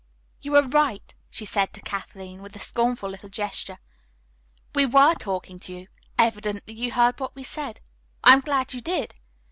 "You are right," she said to Kathleen, with a scornful little gesture. "We were talking of you. Evidently you heard what we said. I am glad you did.